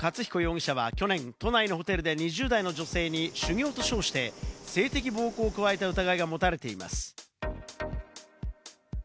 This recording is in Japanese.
神生一人こと大野勝彦容疑者は去年、都内のホテルで２０代の女性に修行と称して性的暴行を加えた疑いが持たれています。